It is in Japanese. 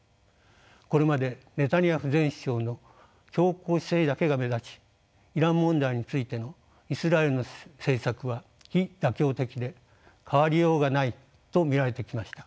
これまでネタニヤフ前首相の強硬姿勢だけが目立ちイラン問題についてのイスラエルの政策は非妥協的で変わりようがないと見られてきました。